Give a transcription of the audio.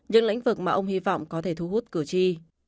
những lĩnh vực mà ông hy vọng có thể thu hút cử tri